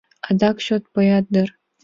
Адак чот поят дыр.